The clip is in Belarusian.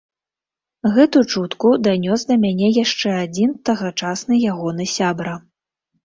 Гэту чутку данёс да мяне яшчэ адзін тагачасны ягоны сябра.